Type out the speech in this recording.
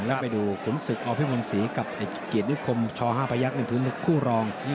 แล้วไปดูขุนศึกอพิมนศรีกับเกียรตินิคมช๕พยักษ์พื้นคู่รอง